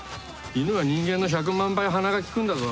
犬は人間の１００万倍鼻が利くんだぞ。